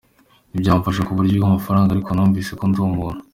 Ntibyamfashije ku buryo bw’amafaranga ariko numvise ko ndi umuntu.